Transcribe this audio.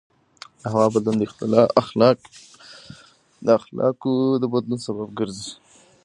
د هوا بدلون د اخلاقو د بدلون سبب ګرځي.